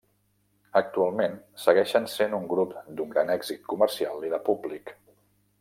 Actualment, segueixen sent un grup d'un gran èxit comercial i de públic.